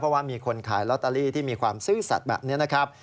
เพราะว่ามีคนขายลอตเตอรี่ที่มีความซื่อสัตว์แบบนี้นะครับ